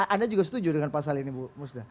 anda juga setuju dengan pasal ini bu musda